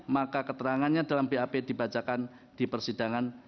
maka keterangannya dalam bap dibacakan di persidangan